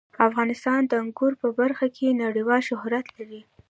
افغانستان د انګورو په برخه کې نړیوال شهرت لري.